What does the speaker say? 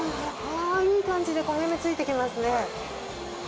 いい感じで焦げ目ついてきますね。